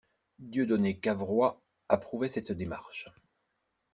Dieudonné Cavrois approuvait cette démarche.